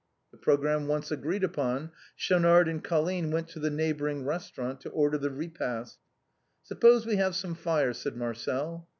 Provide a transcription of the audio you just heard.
The programme once agreed upon, Schaunard and Col line went to the neighboring restaurant to order the repast. "Suppose we have some fire," said Marcel.